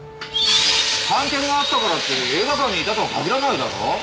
半券があったからって映画館にいたとは限らないだろ